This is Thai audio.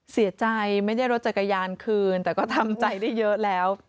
เสียใจไม่ได้รถจักรยานคืนแต่ก็ทำใจได้เยอะแล้ว